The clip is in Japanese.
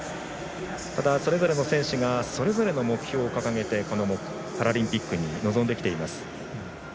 ただ、それぞれの選手がそれぞれの目標を掲げてこのパラリンピックに臨んできています。